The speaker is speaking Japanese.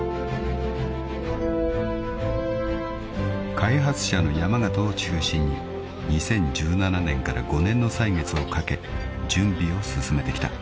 ［開発者の山縣を中心に２０１７年から５年の歳月をかけ準備を進めてきた］